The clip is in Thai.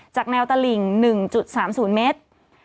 แนวตลิ่ง๑๓๐เมตร